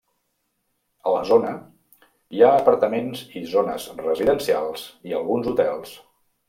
A la zona hi ha apartaments i zones residencials i alguns hotels.